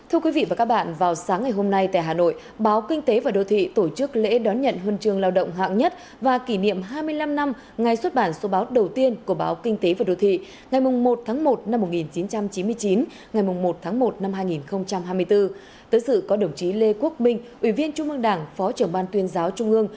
hội nhà báo việt nam đồng chí trần sĩ thanh ủy viên trung mương đảng chủ tịch ủy ban nhân dân thành phố hà nội